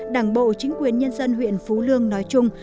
đảng bộ chính quyền nhân dân huyện phú lương nói chung